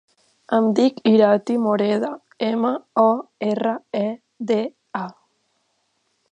Em dic Irati Moreda: ema, o, erra, e, de, a.